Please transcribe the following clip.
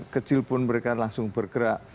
kecil pun mereka langsung bergerak